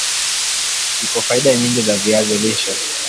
ziko faida nyingi za viazi lishe